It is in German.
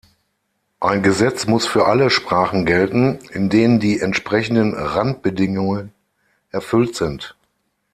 Ein Gesetz muss für alle Sprachen gelten, in denen die entsprechenden Randbedingungen erfüllt sind.